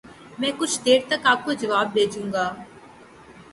میں کچھ دیر تک آپ کو جواب بھیجوں گا۔۔۔